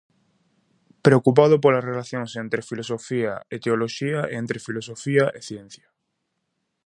Preocupado polas relacións entre filosofía e teoloxía e entre filosofía e ciencia.